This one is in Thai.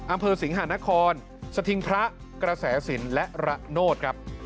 อำเภอสิงหานครสถิงพระกระแสสินและระโนธครับ